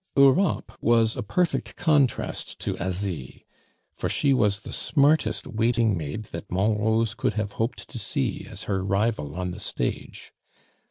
Europe was a perfect contrast to Asie, for she was the smartest waiting maid that Monrose could have hoped to see as her rival on the stage.